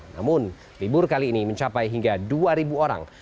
namun libur kali ini mencapai hingga dua orang